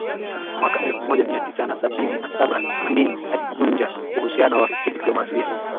Mwaka elfu moja Mia tisa na sabini na saba Amin alivunja uhusiano wa kidiplomasia